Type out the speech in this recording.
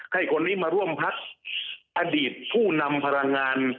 ให้คนนี้มาร่วมพักอดีตผู้นำพลังงาน